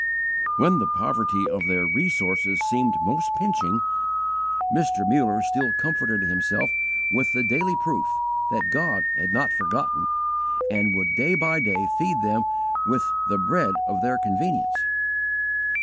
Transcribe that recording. When the poverty of their resources seemed most pinching, Mr. Muller still comforted himself with the daily proof that God had not forgotten, and would day by day feed them with 'the bread of their convenience.'